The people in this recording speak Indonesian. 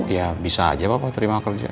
ya bisa aja bapak terima kerja